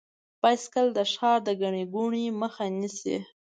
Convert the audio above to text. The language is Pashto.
بایسکل د ښارونو د ګڼې ګوڼې مخه نیسي.